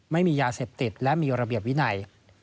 ไม่มียาเสพติดและมีระเบียบวินัย